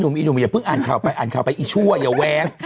อีหนุ่มอย่าเพิ่งอ่านข่าวไปอ่านข่าวไปอีชั่วอย่าแว้ง